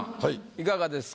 いかがですか？